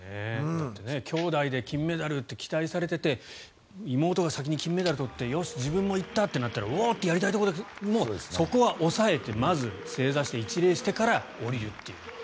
兄妹で金メダルって期待されていて妹が先に金メダルを取ってよし、自分も行ったってなったらおおとやりたいところだけどそこは抑えてまず正座して一礼してから降りるという。